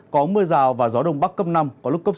có mưa rào và gió đông bắc cấp năm có lúc cấp sáu